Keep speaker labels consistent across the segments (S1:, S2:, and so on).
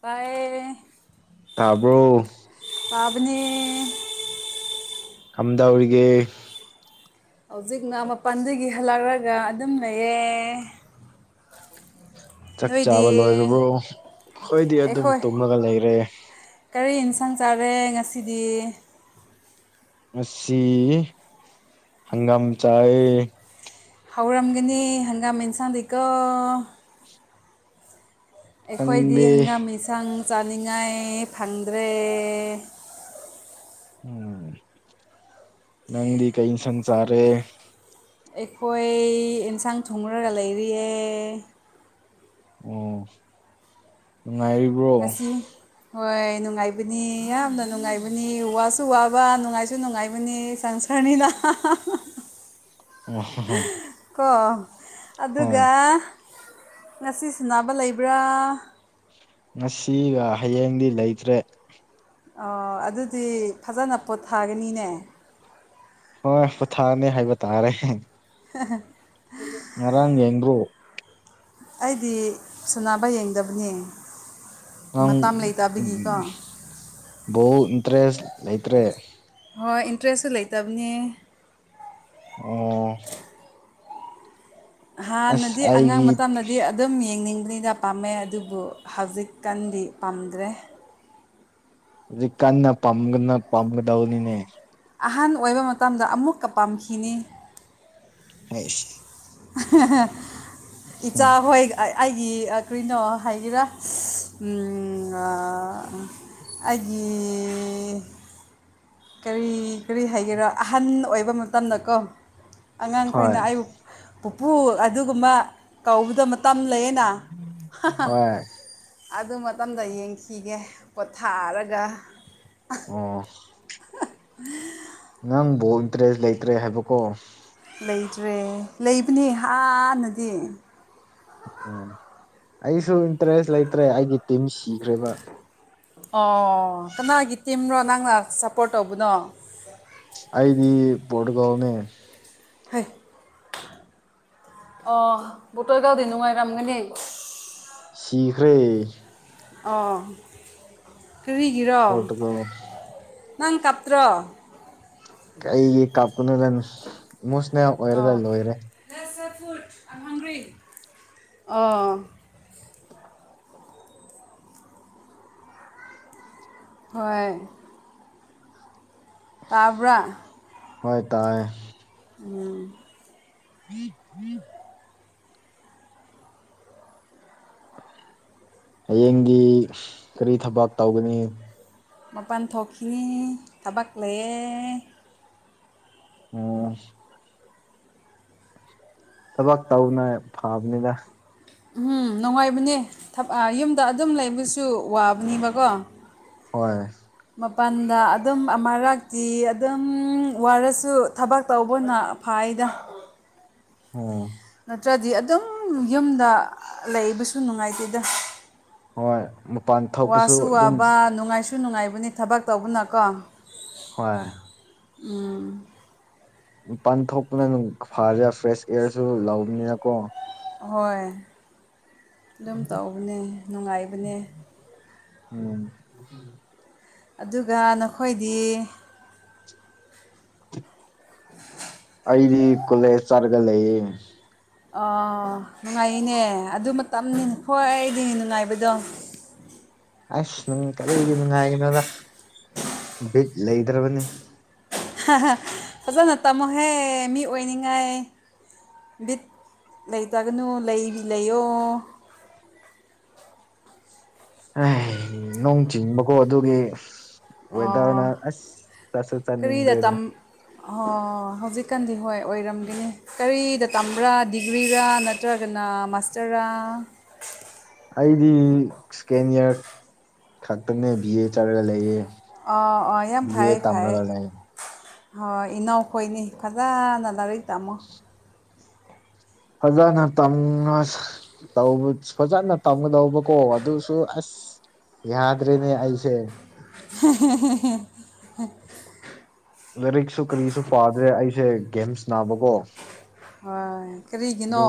S1: ꯄꯥꯏ
S2: ꯇꯥꯕ꯭ꯔꯣ
S1: ꯄꯥꯕꯅꯦ
S2: ꯈꯝꯗꯧꯒ
S1: ꯍꯧꯖꯤꯛꯅ ꯃꯄꯥꯟꯗꯒꯤ ꯍꯜꯂꯛꯂꯒ ꯑꯗꯨꯝ ꯂꯩꯌꯦ
S2: ꯆꯥꯛ
S1: ꯅꯣꯏꯗꯤ
S2: ꯆꯥꯕ ꯂꯣꯏꯔꯕ꯭ꯔꯣ ꯑꯩꯈꯣꯏꯗꯤ ꯑꯗꯨꯝ
S1: ꯑꯩꯈꯣꯏ
S2: ꯇꯨꯝꯂꯒ ꯂꯩꯔꯦ
S1: ꯀꯔꯤ ꯌꯦꯟꯁꯥꯡ ꯆꯥꯔꯦ ꯉꯁꯤꯗꯤ
S2: ꯑꯁꯤ ꯍꯪꯒꯥꯝ ꯆꯥꯏ
S1: ꯍꯧꯔꯝꯒꯅꯤ ꯍꯪꯒꯥꯝ ꯑꯦꯟꯁꯥꯡꯗꯒꯤꯩꯀꯣ ꯑꯩꯈꯣꯏꯗꯤ
S2: ꯅꯪꯗꯤ
S1: ꯍꯪꯒꯥꯝ ꯏꯟꯁꯥꯡ ꯆꯥꯅꯤꯡꯉꯥꯏ ꯐꯪꯗ꯭ꯔꯦ
S2: ꯎꯝ ꯅꯪꯗꯤ ꯀꯩ ꯁꯁꯔꯦ
S1: ꯑꯩꯈꯣꯏ ꯑꯦꯟꯁꯥꯡ ꯊꯣꯡꯔꯒ ꯂꯩꯔꯤꯌꯦ
S2: ꯑꯣꯉꯥꯏ
S1: ꯉꯁꯤ ꯍꯣꯏ ꯅꯨꯡꯉꯥꯏꯕꯅꯤ ꯌꯥꯝꯅ ꯅꯨꯡꯉꯥꯏꯕꯅꯤ ꯋꯥꯁꯨ ꯋꯥꯕ ꯅꯨꯡꯉꯥꯏꯁꯨ ꯅꯨꯡꯉꯥꯏꯕꯅꯤ ꯁꯪ ꯈꯅꯤꯗ
S2: ꯑꯣ
S1: ꯀꯣ
S2: ꯍꯣꯏ
S1: ꯑꯗꯨꯒ ꯉꯁꯤ ꯁꯅꯕ ꯂꯩꯕ꯭ꯔꯥ
S2: ꯉꯁꯤꯒ ꯍꯌꯦꯡꯗꯤ ꯂꯩꯇ꯭ꯔꯦ
S1: ꯑꯣ ꯑꯗꯨꯗꯤ ꯐꯖꯅ ꯄꯣꯠ ꯊꯥꯒꯅꯤꯅꯦ
S2: ꯍꯣꯏ ꯄꯣꯊꯥꯅꯤ ꯍꯥꯏꯕ ꯇꯥꯔꯦ ꯉꯔꯥꯡ ꯌꯦꯡꯕ꯭ꯔꯣ
S1: ꯑꯩꯗꯤ ꯁꯣꯅꯥꯅꯕ ꯌꯦꯡꯗꯕꯅꯤ
S2: ꯅꯪ ꯣ ꯏꯟꯇꯔꯦꯁ ꯂꯩꯇ꯭ꯔꯦ
S1: ꯍꯣꯏ ꯏꯟꯇ꯭ꯔꯦꯁꯁꯨ ꯂꯩꯇꯕꯅꯤ
S2: ꯑꯣ ꯑꯁ
S1: ꯍꯥꯟꯅꯗꯤ ꯑꯉꯥꯡ
S2: ꯑꯩꯒꯤ
S1: ꯃꯇꯝꯅꯗꯤ ꯑꯗꯨꯝ ꯌꯦꯡꯅꯤꯡꯕꯅꯤꯅ ꯄꯥꯝꯃꯦ ꯑꯗꯨꯕꯨ ꯍꯧꯖꯤꯛꯀꯥꯟꯗꯤ ꯄꯥꯝꯗ꯭ꯔꯦ
S2: ꯍꯧ ꯀꯟꯅ ꯄꯝꯒꯅ ꯄꯝꯒꯗꯧꯅꯤꯅꯦ
S1: ꯑꯍꯟ ꯑꯣꯏꯕ ꯃꯇꯝꯗ ꯑꯃꯨꯛꯀ ꯄꯥꯝꯈꯤꯅꯤ
S2: ꯍꯥꯏ ꯎꯝ
S1: ꯏꯆꯥ ꯍꯣꯏ ꯑꯩꯒꯤ ꯀꯩꯅꯣ ꯍꯥꯏꯒꯦꯔꯥ ꯑꯩꯒꯤ ꯀꯔꯤ ꯀꯔꯤ ꯍꯥꯏꯒꯦꯔꯥ ꯑꯍꯟ ꯑꯣꯏꯕ ꯃꯇꯝꯗꯀꯣ
S2: ꯍꯣꯏ
S1: ꯑꯉꯥꯡꯈꯣꯏꯅ ꯑꯩꯕꯨꯛ ꯄꯨꯄꯨ ꯑꯗꯨꯒꯨꯝꯕ ꯀꯧꯕꯗ ꯃꯇꯝ ꯂꯩꯌꯦꯅ
S2: ꯍꯣꯏ
S1: ꯑꯗꯨ ꯃꯇꯝꯗ ꯌꯦꯡꯈꯤꯒꯦ ꯄꯣꯊꯥꯔꯒ
S2: ꯎꯝ
S1: [unintelligible]
S2: ꯅꯪꯕꯨ ꯏꯟꯇꯔꯦꯁ ꯂꯩꯇ꯭ꯔꯦ ꯍꯥꯏꯕꯀꯣ
S1: ꯂꯩꯇ꯭ꯔꯦ ꯂꯩꯕꯅꯦ ꯍꯥꯟꯅꯗꯤ
S2: ꯎꯝ ꯑꯩꯁꯨ ꯏꯟꯇꯔꯦꯁ ꯂꯩꯇ꯭ꯔꯦ ꯑꯩꯒꯤ ꯇꯤꯝ ꯁꯤꯈ꯭ꯔꯦꯕ
S1: ꯑꯣ ꯀꯅꯥꯒꯤ ꯇꯤꯝꯅꯣ ꯅꯪꯅ ꯁꯞꯄꯣꯔꯠ ꯇꯧꯕꯅꯣ
S2: ꯑꯩꯗꯤ ꯄꯣꯇꯨꯒꯥꯜꯅꯦ
S1: ꯍꯣꯏ ꯑꯣ ꯇꯔꯒꯥꯜꯗꯤ ꯅꯨꯡꯉꯥꯏꯔꯝꯒꯅꯦ
S2: ꯁꯤꯈ꯭ꯔꯦ
S1: ꯑ ꯀꯔꯤꯒꯤꯔꯣ
S2: ꯄꯣꯔꯇꯨꯒꯜ
S1: ꯅꯪ ꯀꯥꯞꯇ꯭ꯔꯣ
S2: ꯑꯩꯒꯤ ꯀꯥꯞꯀꯨꯅꯗ ꯏꯃꯣꯁꯅꯦꯜ ꯑꯣꯏꯔꯒ ꯂꯣꯏꯔꯦ
S1: ꯑ ꯍꯣꯏ ꯇꯥꯕ꯭ꯔ
S2: ꯍꯣꯏ ꯇꯥꯏꯌꯦ
S1: ꯎꯝ
S2: ꯎꯝ ꯎꯝ ꯍꯌꯦꯡꯗꯤ ꯀꯔꯤ ꯊꯕꯛ ꯇꯧꯒꯅꯤ
S1: ꯃꯄꯥꯟ ꯊꯣꯛꯈꯤ ꯊꯕꯛ ꯂꯩꯌꯦ
S2: ꯎꯝ ꯊꯕꯛ ꯇꯧꯅ ꯐꯕꯅꯤꯅ
S1: ꯎꯝ ꯅꯨꯡꯉꯥꯏꯕꯅꯦ ꯌꯨꯝꯗ ꯑꯗꯨꯝ ꯂꯩꯕꯁꯨ ꯋꯥꯕꯅꯦꯕꯀꯣ
S2: ꯍꯣꯏ
S1: ꯃꯄꯥꯟꯗ ꯑꯗꯨꯝ ꯑꯃꯔꯥꯛꯇꯤ ꯑꯗꯨꯝ ꯋꯥꯔꯁꯨ ꯊꯕꯛ ꯇꯧꯕꯅ ꯐꯥꯏꯗ
S2: ꯎꯝ
S1: ꯅꯠꯇ꯭ꯔꯗꯤ ꯑꯗꯨꯝ ꯌꯨꯝꯗ ꯂꯩꯕꯁꯨ ꯅꯨꯡꯉꯥꯏꯇꯦꯗ
S2: ꯍꯣꯏ ꯃꯄꯥꯟ ꯊꯣꯛꯄꯁꯨ
S1: ꯋꯥꯁꯨ
S2: ꯑꯗꯨꯝ
S1: ꯑꯕꯥ ꯅꯨꯡꯉꯥꯏ ꯁꯨ ꯅꯨꯡꯉꯥꯏꯕꯅꯤ ꯊꯕꯛ ꯇꯧꯕꯅꯀꯣ
S2: ꯍꯣꯏ
S1: ꯎꯝ
S2: ꯄꯥꯟ ꯊꯣꯛꯄꯅ ꯑꯗꯨꯝ ꯐꯔꯦ ꯐ꯭ꯔꯦꯁ ꯑꯦꯌꯥꯔꯁꯨ ꯂꯧꯕꯅꯤꯅꯀꯣ
S1: ꯍꯣꯏ ꯑꯗꯨꯝ ꯇꯧꯕꯅꯦ ꯅꯨꯡꯉꯥꯏꯕꯅꯦ
S2: ꯎꯝ
S1: ꯑꯗꯨꯒ ꯅꯈꯣꯏꯗꯤ ꯎ
S2: ꯑꯩꯗꯤ ꯀꯣꯂꯦꯖ ꯆꯠꯔꯒ ꯂꯩꯌꯦ
S1: ꯑꯣ ꯅꯨꯡꯉꯥꯏꯅꯦ ꯑꯗꯨ ꯃꯇꯝꯅꯤ ꯍꯣꯏꯗꯤ ꯅꯨꯡꯉꯥꯏꯕꯗꯣ
S2: ꯑꯁ ꯅꯪ ꯀꯔꯤꯒꯤ ꯅꯨꯡꯉꯥꯏꯒꯅꯣꯗ ꯚꯕꯤꯠ ꯂꯩꯗ꯭ꯔꯕꯅꯤ
S1: ꯐꯖꯅ ꯇꯥꯝꯃꯣꯍꯦ ꯃꯤ ꯑꯣꯏꯅꯤꯡꯉꯥꯏ ꯕꯤꯠ ꯂꯩꯇꯒꯅꯨ ꯂꯩ ꯂꯩꯌꯣ
S2: ꯑ ꯅꯣꯡ ꯆꯤꯡꯕꯀꯣ ꯑꯗꯨꯒꯤ ꯑꯣꯏꯋꯗꯥꯔꯅꯥ ꯑꯁ ꯇꯁ ꯆꯂꯤꯗꯦꯗ
S1: ꯑꯣ ꯍꯧꯖꯤꯛꯀꯥꯟꯗꯤ ꯍꯣꯏ ꯑꯣꯏꯔꯝꯒꯦ ꯀꯔꯤꯗ ꯇꯝꯕ꯭ꯔꯥ ꯗꯤꯒ꯭ꯔꯤꯔꯥ ꯅꯠꯇ꯭ꯔꯒꯅ ꯃꯥꯁꯇꯔꯔꯥ
S2: ꯑꯩꯗꯤ ꯁꯦꯀꯦꯟ ꯏꯌꯥꯔ ꯈꯛꯇꯅꯦ ꯕꯤ ꯑꯦ ꯆꯠꯔꯒ ꯂꯩꯌꯦ
S1: ꯑꯥ ꯑꯥ ꯌꯥꯝ
S2: ꯕꯤ
S1: ꯐꯩ
S2: ꯑꯦ
S1: ꯐꯩ
S2: ꯇꯝꯔꯒ ꯂꯩ
S1: ꯍꯣꯏ ꯏꯅꯥꯎꯈꯣꯏꯅꯤ ꯐꯖꯅ ꯂꯥꯏꯔꯤꯛ ꯇꯥꯝꯃꯣ
S2: [unintelligible] ꯐꯖꯅ ꯇꯝꯅ ꯇꯧꯕ ꯐꯖꯅ ꯇꯝꯒꯗꯧꯕꯀꯣ ꯑꯗꯨꯁꯨ ꯑꯁ! ꯌꯥꯗ꯭ꯔꯦꯅꯦ ꯑꯩꯁꯦ
S1: ꯍꯦꯍꯦꯍꯦꯍꯦ
S2: ꯂꯥꯏꯔꯤꯛꯁꯨ ꯀꯔꯤꯁꯨ ꯄꯥꯗ꯭ꯔꯦ ꯑꯩꯁꯦ ꯒꯦꯝ ꯁꯅꯥꯕꯀꯣ꯫
S1: ꯍꯣꯏ ꯀꯔꯤꯒꯤꯅꯣ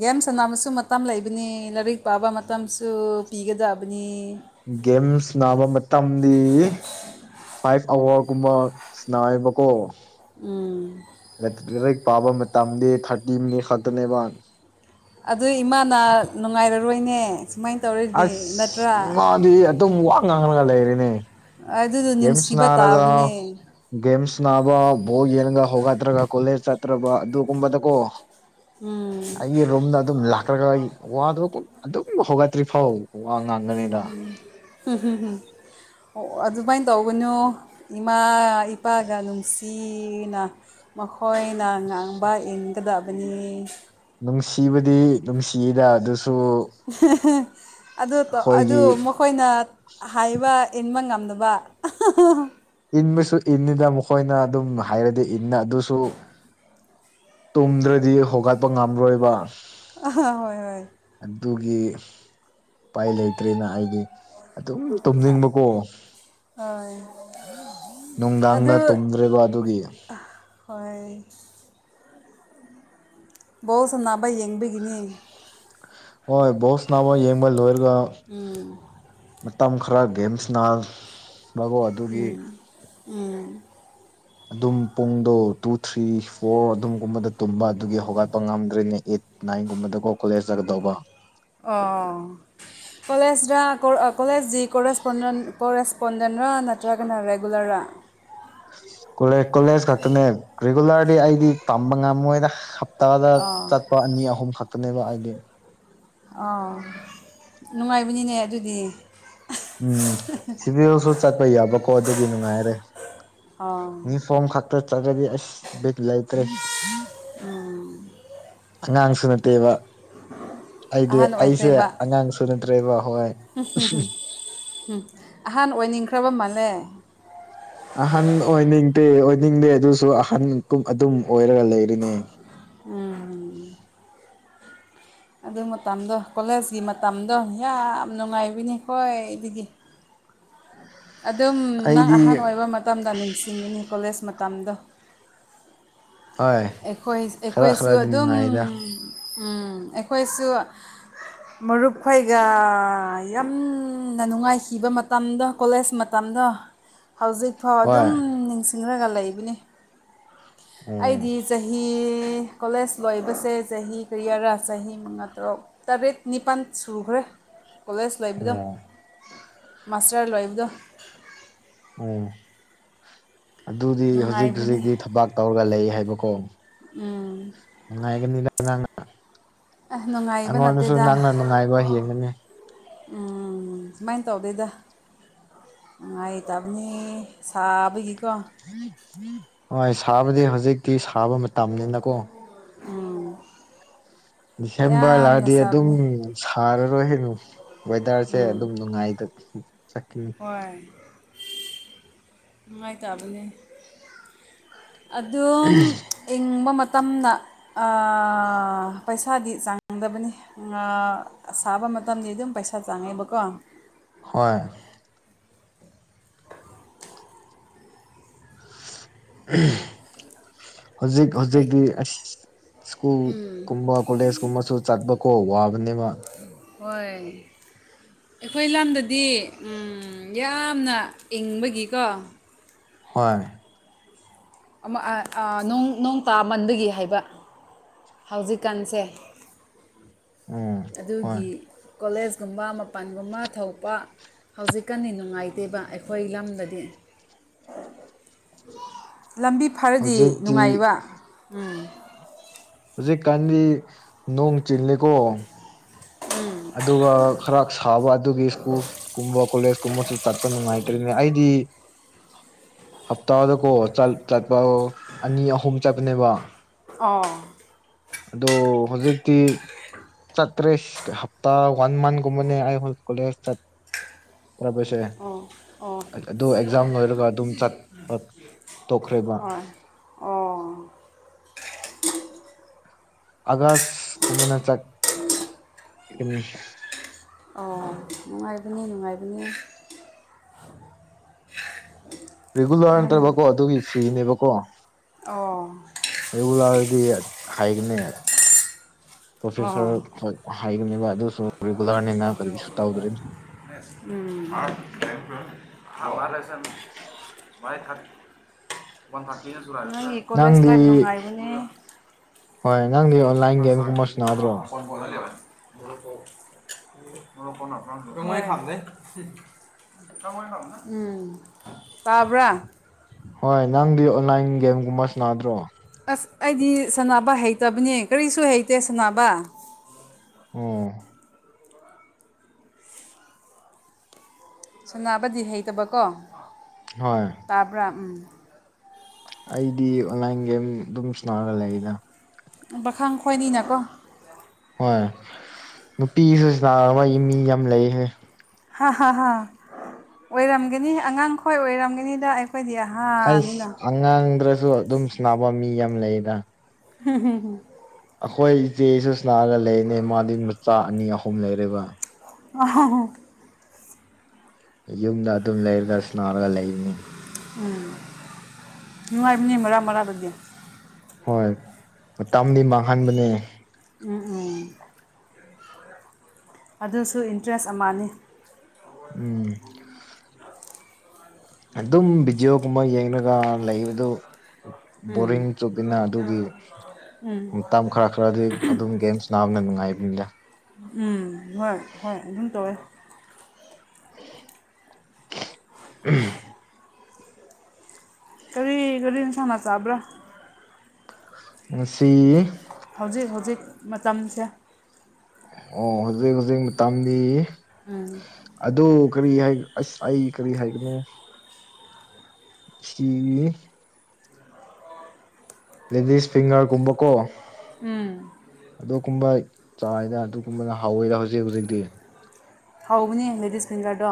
S1: ꯒ꯭ꯦꯝ ꯁꯥꯟꯅꯕꯁꯨ ꯃꯇꯝ ꯂꯩꯕꯅꯤ ꯂꯥꯏꯔꯤꯛ ꯄꯥꯕ ꯃꯇꯝꯁꯨ ꯄꯤꯒꯗꯕꯅꯤ
S2: ꯒꯦꯝꯁ ꯅꯥꯕ ꯃꯇꯝꯗꯤ ꯐꯥꯏꯚ ꯑꯋꯥꯔꯒꯨꯝꯕ ꯁꯅꯥꯏꯕꯀꯣ꯫
S1: ꯎꯝ
S2: ꯂꯔꯤꯛ ꯄꯥꯕ ꯃꯇꯝꯗ ꯊꯥꯔꯇꯤ ꯃꯤꯅꯤꯠ ꯈꯛꯇꯅꯦꯕꯟ
S1: ꯑꯗꯨ ꯏꯃꯥꯅ ꯅꯨꯡꯉꯥꯏꯔꯔꯣꯏꯅꯦ! ꯁꯨꯃꯥꯏ ꯇꯧꯔꯦ
S2: ꯑꯁ ꯃꯥꯗꯤ ꯑꯗꯨꯝ ꯋꯥ ꯉꯥꯡꯉꯒ ꯂꯩꯔꯤꯅꯦ
S1: ꯑꯗꯨꯗꯣ ꯅꯨꯡꯁꯤꯕ ꯇꯥꯕꯅꯦ꯫
S2: ꯒꯝꯁ ꯁꯅꯥꯕ ꯕꯣꯜ ꯌꯦꯡꯉꯒ ꯍꯧꯒꯠꯗ꯭ꯔꯒ ꯀꯣꯂꯦꯖ ꯆꯠꯇ꯭ꯔꯕ ꯑꯗꯨꯒꯨꯝꯕꯗ ꯀꯣ
S1: ꯎꯝ
S2: ꯑꯩꯒꯤ ꯔꯨꯝꯗ ꯑꯗꯨꯝ ꯂꯥꯛꯈ꯭ꯔꯒ ꯑꯩ ꯋꯥꯗꯨ ꯑꯗꯨꯝ ꯍꯧꯒꯠꯇ꯭ꯔꯤ ꯐꯥꯎ ꯋꯥ ꯉꯥꯡ
S1: ꯎꯝ ꯍꯨꯝꯍꯨꯝꯍꯨꯝ ꯑꯣ ꯑꯗꯨꯃꯥꯏꯅ ꯇꯧꯒꯅꯨ ꯏꯃꯥ ꯏꯄꯥꯒ ꯅꯨꯡꯁꯤꯅ ꯃꯈꯣꯏꯅ ꯉꯥꯡꯕ ꯏꯟꯒꯗꯕꯅꯦ
S2: ꯅꯨꯡꯁꯤꯕꯗꯤ ꯅꯨꯡꯁꯤꯗ ꯑꯗꯨꯁꯨ
S1: ꯑꯗꯨ ꯇꯧ ꯑꯗꯨ
S2: ꯑꯩꯈꯣꯏꯒꯤ
S1: ꯃ ꯈꯣꯏꯅ ꯍꯥꯏꯕ ꯏꯟꯕ ꯉꯝꯗꯕ ꯫
S2: ꯏꯟꯕꯁꯨ ꯏꯟꯅꯤꯗ ꯃꯈꯣꯏꯅ ꯑꯗꯨꯝ ꯍꯥꯏꯔꯗꯤ ꯏꯟꯅ ꯑꯗꯨꯁꯨ ꯇꯨꯝꯗ꯭ꯔꯗꯤ ꯍꯧꯒꯠꯄ ꯉꯝꯔꯣꯏꯕ
S1: ꯑꯍ ꯍꯣꯏ ꯍꯣꯏ
S2: ꯑꯗꯨꯒꯤ ꯎꯄꯥꯏ ꯂꯩꯇ꯭ꯔꯦꯅ ꯑꯩꯗꯤ ꯑꯗꯨꯝ ꯇꯨꯝꯅꯤꯡꯕꯀꯣ
S1: ꯍꯣꯏ
S2: ꯅꯨꯡꯗꯥꯡꯅ
S1: ꯑꯗꯨ
S2: ꯇꯨꯝꯗ꯭ꯔꯦꯕ ꯑꯗꯨꯒꯤ
S1: ꯍꯣꯏ ꯕꯣꯁ ꯅꯥꯕ ꯌꯦꯡꯕꯤꯒꯤꯅꯤ
S2: ꯍꯣꯢ ꯕꯣꯁꯅ ꯑꯝ ꯌꯦꯡꯕꯣ ꯂꯣꯢꯔꯒ
S1: ꯎꯝ
S2: ꯃꯇꯝ ꯈꯔ ꯒꯦꯝ ꯁꯅꯕ [unintelligible]
S1: ꯎꯝ ꯎꯝ
S2: ꯑꯗꯨꯝ ꯄꯨꯡꯗꯣ ꯇꯨ ꯊ꯭ꯔꯤ ꯐꯣꯔ ꯑꯗꯨꯝꯒꯨꯝꯕꯗ ꯇꯨꯝꯕ ꯑꯗꯨꯒꯤ ꯍꯧꯒꯠꯄ ꯉꯝꯗ꯭ꯔꯦꯅꯦ ꯑꯩꯠ ꯅꯥꯏꯟꯒꯨꯝꯕꯗꯀꯣ ꯀꯣꯂꯦꯖ ꯆꯠꯒꯗꯧꯕ꯫
S1: ꯑꯣ ꯀꯣꯂꯦꯖꯔ ꯀꯣꯂꯦꯖꯀꯤ ꯀꯣꯔꯦꯁꯄꯣꯟꯗꯦꯟ ꯀꯣꯔꯦꯁꯄꯣꯟꯗꯦꯟꯔ ꯅꯠꯇ꯭ꯔꯒꯅ ꯔꯦꯒꯨꯂꯔꯔꯥ?
S2: ꯀꯣꯂꯦꯖ ꯈꯛꯇꯅꯦ ꯔꯤꯒꯨꯂꯔꯗꯤ ꯑꯩꯗꯤ ꯇꯝꯕ ꯉꯝꯃꯣꯏꯗ ꯇꯗ
S1: ꯑꯥ
S2: ꯆꯠꯄ ꯑꯅꯤ ꯑꯍꯨꯝ ꯈꯛꯇꯅꯦꯕ ꯑꯩꯗꯤ
S1: ꯑ ꯅꯨꯡꯉꯥꯏꯕꯅꯤꯅꯦ ꯑꯗꯨꯗꯤ
S2: ꯎꯝ ꯁꯤꯗꯁꯨ ꯆꯠꯄ ꯌꯥꯕꯀꯣ ꯑꯗꯨꯒꯤ ꯅꯨꯡꯉꯥꯏꯔꯦ
S1: ꯑꯥ
S2: ꯅ ꯐꯝ ꯈꯥꯛꯇ ꯆꯠꯂꯗꯤ ꯑꯁ ꯕꯤꯠ ꯂꯩꯇ꯭ꯔꯦ
S1: ꯑꯥ
S2: ꯑꯉꯥꯡꯁꯨ ꯅꯠꯇꯦꯕ ꯑꯩꯗꯤ
S1: ꯑꯍꯥꯟ
S2: ꯑꯩꯁꯦ ꯑꯉꯥꯡꯁꯨ ꯅꯠꯇ꯭ꯔꯦꯕ ꯍꯣꯏ
S1: [unintelligible] ꯎꯝ ꯑꯍꯥꯟ ꯑꯣꯏꯅꯤꯡꯈ꯭ꯔꯕ ꯃꯥꯜꯂꯦ
S2: ꯑꯍꯟ ꯑꯣꯏꯅꯤꯡꯇꯦ ꯑꯣꯏꯅꯤꯡꯗꯦ ꯑꯗꯨꯁꯨ ꯑꯍꯟꯀꯨꯝ ꯑꯗꯨꯝ ꯑꯣꯏꯔꯒ ꯂꯩꯔꯦꯅꯦ
S1: ꯎꯝ ꯑꯗꯨ ꯃꯇꯝꯗꯣ ꯀꯣꯂꯦꯖꯀꯤ ꯃꯇꯝꯗꯣ ꯌꯥꯝ ꯅꯨꯡꯉꯥꯏꯕꯅꯤ ꯈ꯭ꯋꯥꯢꯗꯒꯤ ꯑꯗꯨꯝ ꯅꯪ
S2: ꯑꯩꯗꯤ
S1: ꯑꯍꯟ ꯑꯣꯏꯕ ꯃꯇꯝꯗ ꯅꯤꯡꯁꯤꯡꯒꯅꯤ ꯀꯣꯂꯦꯖ ꯃꯇꯝꯗꯣ
S2: ꯍꯣꯏ
S1: ꯑꯩꯈꯣꯏ
S2: ꯈꯔ
S1: ꯑꯩꯈꯣꯏꯁꯨ
S2: ꯈꯔꯗꯤ
S1: ꯑꯗꯨꯝ
S2: ꯅꯨꯡꯉꯥꯏꯗ
S1: ꯎꯝ ꯑꯩꯈꯣꯏꯁꯨ ꯃꯔꯨꯞꯈꯣꯏꯒ ꯌꯥꯝꯅ ꯅꯨꯡꯉꯥꯏꯈꯤꯕ ꯃꯇꯝꯗꯣ ꯀꯣꯂꯦꯖ ꯃꯠ ꯃꯇꯝꯗꯣ ꯍꯧꯖꯤꯛꯐꯥꯎ
S2: ꯍꯣꯏ
S1: ꯑꯗꯨꯝ ꯅꯤꯡꯁꯤꯡꯂꯒ ꯂꯩꯕꯅꯤ
S2: ꯎꯝ
S1: ꯑꯩꯗꯤ ꯆꯍꯤ ꯀꯣꯂꯦꯖ ꯂꯣꯏꯕꯁꯦ ꯆꯍꯤ ꯀꯌꯥꯔꯥ ꯆꯍꯤ ꯃꯉꯥ ꯇꯔꯨꯛ ꯇꯔꯦꯠ ꯅꯤꯄꯥꯟ ꯁꯨꯈ꯭ꯔꯦ ꯀꯣꯂꯦꯖ ꯂꯣꯏꯕꯗꯣ
S2: ꯎꯝ
S1: ꯃꯥꯁꯇꯔ ꯂꯣꯏꯕꯗꯣ
S2: ꯎꯝ ꯑꯗꯨꯗꯤ ꯍꯧꯖꯤꯛ
S1: ꯅꯨꯡꯉꯥꯏꯕꯅꯤ
S2: ꯍꯧꯖꯤꯛꯇꯤ ꯊꯕꯥꯛ ꯇꯧꯔꯒ ꯂꯩ ꯍꯥꯏꯕꯀꯣ
S1: ꯎꯝ
S2: ꯅꯨꯡꯉꯥꯏꯒꯅꯤꯗ ꯅꯪ
S1: ꯑꯦ ꯅꯨꯡꯉꯥꯏꯕ
S2: ꯑꯩꯉꯣꯟꯗꯁꯨ
S1: ꯅꯠꯇꯦꯗ
S2: ꯅꯪꯅ ꯅꯨꯡꯉꯥꯏꯕ ꯍꯦꯟꯒꯅꯤ
S1: ꯎꯝ ꯃꯥꯏꯟ ꯇꯧꯗꯦꯗ ꯅꯨꯡꯉꯥꯏꯇꯥꯕꯅꯤ ꯁꯥꯕꯒꯤꯀꯣ
S2: ꯍꯣꯏ ꯁꯥꯕꯗꯤ ꯍꯧꯖꯤꯛꯇꯤ ꯁꯥꯕ ꯃꯇꯝꯅꯤꯅꯀꯣ
S1: ꯎꯝ
S2: ꯗꯤꯁꯦꯝꯕꯔ
S1: ꯌꯥꯝꯅ
S2: ꯂꯥꯛꯑꯗꯤ ꯑꯗꯨꯝ
S1: ꯁꯥꯕꯅꯤ
S2: ꯁꯥꯔꯔꯣꯏ ꯍꯦꯅꯨ ꯋꯦꯗꯔꯁꯦ ꯑꯗꯨꯝ
S1: ꯎꯝ
S2: ꯅꯨꯡꯉꯥꯏ [unintelligible] ꯆꯠꯈꯤ
S1: ꯍꯣꯏ ꯅꯨꯡꯉꯥꯏꯇꯕꯅꯤ ꯑꯗꯨꯝ ꯏꯪꯕ ꯃꯇꯝꯗ ꯑꯥ ꯄꯩꯁꯥꯗꯤ ꯆꯥꯡꯗꯕꯅꯤ ꯉꯥ ꯑꯁꯥꯕ ꯃꯇꯝꯗꯤ ꯑꯗꯨꯝ ꯄꯩꯁꯥ ꯆꯪꯉꯦꯕꯀꯣ
S2: ꯍꯣꯏ ꯍꯧꯖꯤꯛ
S1: ꯍꯩ
S2: ꯍꯧꯖꯤꯛꯇꯤ ꯑꯁ ꯁ꯭ꯀꯨꯜ
S1: ꯎꯝ
S2: ꯀꯨꯝꯕ ꯀꯣꯂꯦꯖ ꯀꯨꯝꯕꯁꯨ ꯆꯠꯄꯀꯣ ꯋꯥꯕꯅꯦꯕ
S1: ꯍꯣꯏ ꯑꯩꯈꯣꯏ ꯂꯝꯗꯗꯤ ꯎꯝ ꯌꯥꯝꯅ ꯏꯪꯕꯒꯤꯀꯣ
S2: ꯍꯣꯏ
S1: ꯑꯃ ꯑꯥ ꯑꯥ ꯅꯣꯡ ꯅꯣꯡ ꯇꯥꯃꯟꯕꯒꯤ ꯍꯥꯏꯕ ꯍꯧꯖꯤꯛꯀꯥꯟꯁꯦ
S2: ꯎꯝ ꯍꯣꯏ
S1: ꯑꯗꯨꯒꯤ ꯀꯣꯂꯦꯖꯀꯨꯝꯕ ꯃꯄꯥꯟꯒꯨꯝꯕ ꯊꯣꯛꯄ ꯍꯧꯖꯤꯛꯀꯥꯟꯗꯤ ꯅꯨꯡꯉꯥꯏꯇꯦꯕ ꯑꯩꯈꯣꯏ ꯂꯝꯗꯗꯤ
S2: [inaudible]
S1: ꯂꯝꯕꯤ ꯐꯔꯗꯤ
S2: ꯍꯧꯖꯤꯛꯇꯤ
S1: ꯅꯨꯡꯉꯥꯏꯕ ꯎꯝ
S2: ꯍꯧꯖꯤꯛꯀꯥꯟꯗꯤ ꯅꯣꯡ ꯆꯤꯜꯂꯤꯀꯣ ꯑꯗꯨꯒ ꯈꯔ ꯁꯥꯕ ꯑꯗꯨꯒꯤ ꯁ꯭ꯀꯨꯜ ꯀꯨꯝꯕ ꯀꯣꯂꯦꯖ ꯀꯨꯝꯕꯁꯨ ꯆꯠꯄ ꯅꯨꯡꯉꯥꯏꯇ꯭ꯔꯤꯅꯦ ꯑꯩꯗꯤ ꯍꯞꯇꯥꯗꯀꯣ ꯆꯜ ꯆꯠꯄ ꯑꯅꯤ ꯑꯍꯨꯝ ꯆꯠꯄꯅꯦꯕ
S1: ꯑꯣ
S2: ꯑꯗꯣ ꯍꯧꯖꯤꯛꯇꯤ ꯆꯠꯇ꯭ꯔꯤꯁ ꯍꯞꯇꯥ ꯋꯥꯟ ꯃꯟ ꯒꯨꯝꯃꯅꯤ ꯑꯩ ꯑꯈꯣꯏ ꯀꯣꯂꯦꯖ ꯆꯠ [unintelligible] ꯁꯦ
S1: ꯑꯣ ꯑꯣ
S2: ꯑꯗꯨ ꯑꯦꯛꯖꯥꯝ ꯂꯣꯏꯔꯒ ꯑꯗꯨꯝ ꯆꯠꯄ ꯇꯣꯛꯈ꯭ꯔꯦꯕ
S1: ꯍꯣꯏ ꯑꯣ
S2: ꯑꯒꯥꯁ ꯀꯨꯝꯃꯅꯥ ꯆꯠ ꯀꯅꯤ
S1: ꯑꯣ ꯅꯨꯡꯉꯥꯏꯕꯅꯤ ꯅꯨꯡꯉꯥꯏꯕꯅꯤ ꯌꯥꯝ
S2: ꯔꯤꯒꯨꯂꯔꯗꯕꯀꯣ ꯑꯗꯨꯒꯤ ꯐ꯭ꯔꯤꯅꯦꯕꯀꯣ
S1: ꯑꯣ
S2: ꯔꯦꯒꯨꯂꯥꯔꯗꯤ ꯍꯥꯏꯒꯅꯦ ꯄ꯭ꯔꯣꯐꯦꯁꯔ
S1: ꯑꯣ
S2: ꯍꯣꯏ ꯍꯥꯏꯒꯅꯦꯕ ꯑꯗꯨꯁꯨ ꯔꯤꯒꯨꯂꯔꯅꯤꯅ ꯀꯔꯤꯁꯨ ꯇꯧꯗ꯭ꯔꯤ
S1: ꯎꯝ ꯊꯕ ꯂꯥꯢꯁꯝ [unintelligible]
S2: [unintelligible]
S1: [unintelligible] ꯅꯪꯒꯤ ꯀꯣꯂꯦꯖ
S2: ꯅꯪꯗꯤ
S1: ꯂꯥꯏꯐ ꯅꯨꯡꯉꯥꯏꯕꯅꯦ
S2: ꯍꯣꯏ ꯅꯪꯗꯤ ꯑꯣꯟꯂꯥꯏꯟ ꯒꯦꯝꯁꯀꯨꯝꯕꯁꯅꯥꯗ꯭ꯔꯣ
S1: ꯍꯣꯏ ꯈ ꯗ [unintelligible] ꯎꯝ ꯇꯥꯕ꯭ꯔ
S2: ꯍꯣꯏ ꯅꯪꯗꯤ ꯑꯣꯟꯂꯥꯏꯟ ꯒꯦꯝꯒꯨꯝꯕ ꯁꯅꯗ꯭ꯔꯣ
S1: ꯑꯁ ꯑꯩꯗꯤ ꯁꯅꯕ ꯍꯩꯇꯕꯅꯤ ꯀꯔꯤꯁꯨ ꯍꯩꯇꯦ ꯁꯅꯥꯅꯕ
S2: ꯑꯣ
S1: ꯁꯅꯥꯕꯗꯤ ꯍꯩꯇꯕꯀꯣ
S2: ꯍꯣꯏ
S1: ꯇꯥꯕ꯭ꯔꯥ ꯎꯝ
S2: ꯑꯩꯗꯤ ꯑꯣꯟꯂꯥꯏꯟ ꯒꯦꯝ ꯑꯗꯨꯝ ꯁꯥꯟꯅꯔꯒ ꯂꯩꯗ
S1: ꯄꯥꯈꯪ ꯈꯣꯏꯅꯤꯅꯀꯣ
S2: ꯍꯣꯏ ꯅꯨꯄꯤꯁꯨ ꯁꯥꯟꯅꯕ ꯃꯤ ꯌꯥꯝ ꯂꯩꯍꯦ
S1: ꯍꯥꯍꯥꯍꯥ ꯑꯣꯏꯔꯝꯒꯅꯤ ꯑꯉꯥꯡꯈꯣꯏ ꯑꯣꯏꯔꯝꯒꯅꯤꯗ ꯑꯩꯈꯣꯏꯗꯤ ꯍꯥ
S2: ꯍꯥꯏꯁ ꯑꯉꯥꯡꯗꯔꯁꯨ ꯑꯗꯨꯝ ꯁꯅꯥꯕ ꯃꯤ ꯌꯥꯝ ꯂꯩꯗ
S1: ꯍꯝꯍꯝꯍꯝ
S2: ꯑꯩꯈꯣꯏ ꯏꯆꯦ ꯁꯨꯁꯅꯥꯔꯒ ꯂꯩꯅꯦ ꯃꯥꯗꯤ ꯃꯆꯥ ꯑꯅꯤ ꯑꯍꯨꯝ ꯂꯩꯔꯦꯕ
S1: ꯑ [inaudible]
S2: ꯌꯨꯝꯗ ꯑꯗꯨꯝ ꯂꯩꯔꯒ ꯁꯅꯥꯔꯒ ꯂꯩꯕꯅꯤ
S1: ꯎꯝ ꯅꯨꯡꯉꯥꯏꯕꯅꯤ ꯃꯔꯥꯛ ꯃꯔꯥꯛ ꯇꯗꯤ
S2: ꯍꯣꯏ ꯃꯇꯝꯗꯤ ꯃꯥꯡꯍꯟꯕꯅꯦ
S1: ꯎꯝ ꯍꯝ ꯑꯗꯨꯁꯨ ꯏꯟꯇꯔꯦꯁ ꯑꯃꯅꯤ
S2: ꯎꯝ ꯑꯗꯨꯝ ꯕꯤꯗꯤꯑꯣꯒꯨꯝꯕ ꯌꯦꯡꯔꯒ ꯂꯩꯕꯗꯨ ꯕꯣꯔꯤꯡ
S1: ꯎꯝ
S2: ꯆꯨꯞꯕꯤꯅ ꯑꯗꯨꯒꯤ
S1: ꯎꯝ
S2: ꯃꯇꯝ ꯈꯔ ꯈꯔꯗꯤ ꯑꯗꯨꯝ ꯒꯦꯝ ꯅꯥꯕꯅ ꯅꯨꯡꯉꯥꯏꯕꯅꯤꯗ
S1: ꯎꯝ ꯍꯣꯏ ꯍꯣꯏ ꯑꯗꯨꯝ ꯇꯧꯋꯦ
S2: ꯎꯝ
S1: ꯀꯔꯤ ꯀꯔꯤ ꯍꯦꯟꯁꯥꯡꯅꯥ ꯆꯥꯕ꯭ꯔꯥ
S2: ꯉꯁꯤ
S1: ꯍꯧꯖꯤꯛ ꯍꯧꯖꯤꯛ ꯃꯇꯝꯁꯦ
S2: ꯑꯣ ꯍꯧꯖꯤꯛ ꯍꯧꯖꯤꯛ ꯃꯇꯝꯗꯤ
S1: ꯎꯝ
S2: ꯑꯗꯨ ꯀꯔꯤ ꯍꯥꯏ ꯑꯁ ꯑꯩ ꯀꯔꯤ ꯍꯥꯏꯒꯅꯤ ꯁꯤꯒꯤ ꯂꯦꯗꯤꯁ ꯐꯤꯡꯒꯔꯒꯨꯝꯕꯀꯣ
S1: ꯎꯝ
S2: ꯑꯗꯨꯒꯨꯝꯕ ꯆꯥꯏꯗ ꯑꯗꯨꯒꯨꯝꯕꯅ ꯍꯥꯎꯋꯤꯗ ꯍꯧꯖꯤꯛ ꯍꯧꯖꯤꯛꯇꯤ
S1: ꯍꯥꯎꯕꯅꯦ ꯂꯦꯗꯤꯁ ꯐꯤꯡꯒꯔꯗꯣ